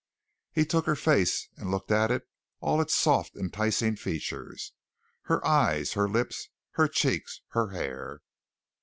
He took her face and looked at it, all its soft, enticing features, her eyes, her lips, her cheeks, her hair.